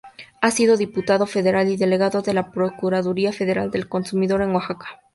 Ha sido Diputado Federal y delegado de la Procuraduría Federal del Consumidor en Oaxaca.